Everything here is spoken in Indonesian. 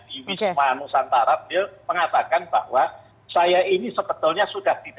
di wisma nusantara beliau mengatakan bahwa saya ini sebetulnya sudah tidak